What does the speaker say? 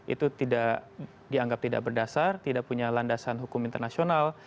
itu tidak dianggap tidak berdasar tidak punya landasan hukum internasional